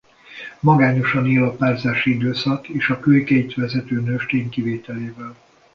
Magányosan él a párzási időszak és a kölykeit vezető nőstény kivételével.